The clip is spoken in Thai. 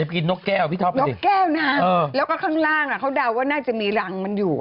กินนกแก้วข้างล่างเค้าเดาว่าน่าจะมีศพมันอยู่